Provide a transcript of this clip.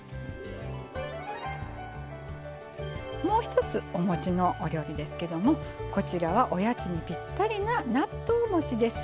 もう一つおもちのお料理ですけどもこちらはおやつにぴったりな納豆もちです。